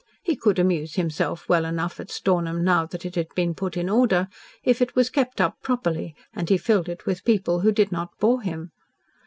He could amuse himself well enough at Stornham, now that it had been put in order, if it was kept up properly and he filled it with people who did not bore him.